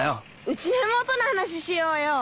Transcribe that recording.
うちの妹の話しようよ。